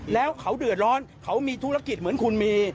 แล้วเขาเดือดร้อนเขามีธุรกิจเหมือนคุณมี